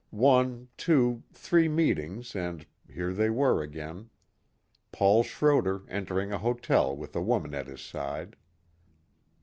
One, two, three meetings and here they were again. Paul Schroder entering a hotel with a woman at his side.